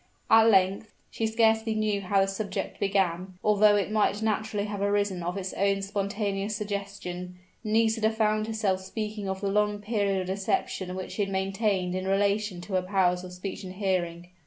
At length she scarcely knew how the subject began, although it might naturally have arisen of its own spontaneous suggestion Nisida found herself speaking of the long period of deception which she had maintained in relation to her powers of speech and hearing.